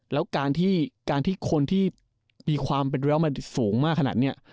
แล้วการที่การที่คนที่มีความเป็นระยะมาสูงมากขนาดนี้